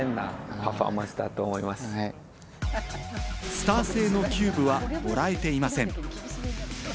スター性のキューブはもらえていません。